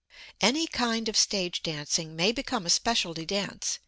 Any kind of stage dancing may become a specialty dance.